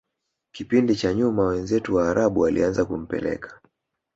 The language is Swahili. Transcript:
kipindi cha nyuma wenzetu waarabu walianza kumpeleka